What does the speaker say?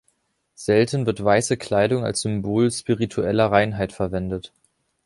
Selten wird weiße Kleidung als Symbol spiritueller Reinheit verwendet.